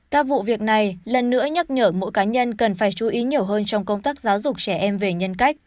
các vụ việc này lần nữa nhắc nhở mỗi cá nhân cần phải chú ý nhiều hơn trong công tác giáo dục trẻ em về nhân cách